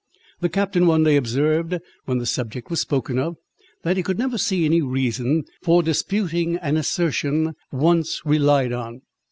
The captain one day observed, when the subject was spoken of, "That he never could see any reason for disputing an assertion, once relied on, viz.